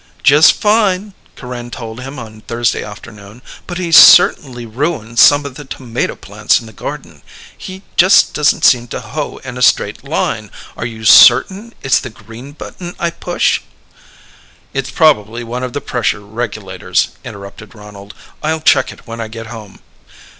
"Just fine," Corinne told him on Thursday afternoon. "But he certainly ruined some of the tomato plants in the garden. He just doesn't seem to hoe in a straight line. Are you certain it's the green button I push?" "It's probably one of the pressure regulators," interrupted Ronald. "I'll check it when I get home."